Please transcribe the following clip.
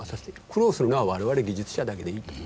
苦労するのは我々技術者だけでいいんだと。